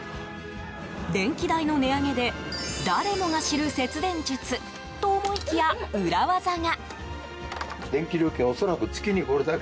電気代の値上げで誰もが知る節電術と思いきや、裏技が。